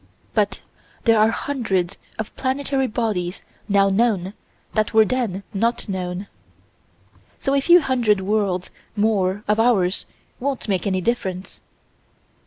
But there are hundreds of planetary bodies now known that were then not known. So a few hundred worlds more of ours won't make any difference.